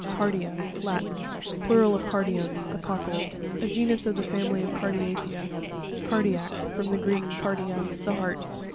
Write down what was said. Car'p1a.—Latin. Plural of cardium, a cockle. A genus of the family of Cardiacea (page 84). Car'pi1ac.—From the Greek, kardia, the heart.